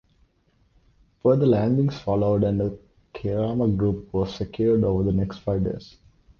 Further landings followed, and the Kerama group was secured over the next five days.